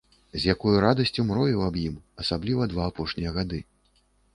З якою радасцю мроіў аб ім, асабліва два апошнія гады.